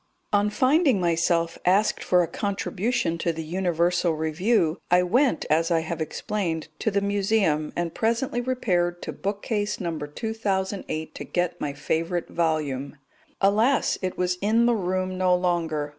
On finding myself asked for a contribution to the Universal Review, I went, as I have explained, to the Museum, and presently repaired to bookcase No. 2008 to get my favourite volume. Alas! it was in the room no longer.